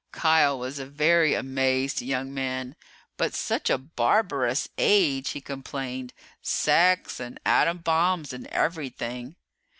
Kial was a very amazed young man. "But such a barbarous age," he complained. "Sex and atom bombs and everything